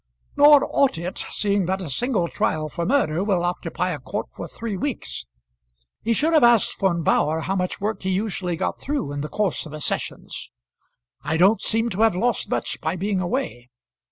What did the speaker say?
"Nor ought it, seeing that a single trial for murder will occupy a court for three weeks. He should have asked Von Bauhr how much work he usually got through in the course of a sessions. I don't seem to have lost much by being away.